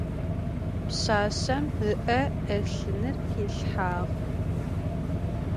Pşsaşsem ı'e 'elhınır pilhhag.